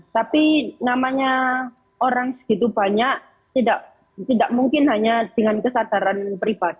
tapi namanya orang segitu banyak tidak mungkin hanya dengan kesadaran pribadi